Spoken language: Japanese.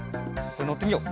のってみよう。